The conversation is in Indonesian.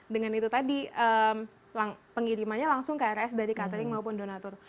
dengan itu tadi pengirimannya langsung ke rs dari catering maupun donatur